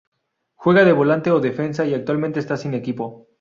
Juega de volante o defensa y actualmente está sin equipo.